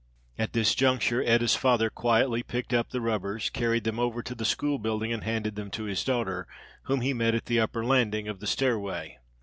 At this juncture Etta's father quietly picked up the rubbers, carried them over to the school building and handed them to his daughter, whom he met at the upper landing of the stairway.